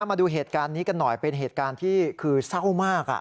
มาดูเหตุการณ์นี้กันหน่อยเป็นเหตุการณ์ที่คือเศร้ามาก